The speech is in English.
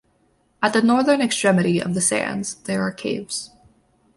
At the northern extremity of the sands there are caves.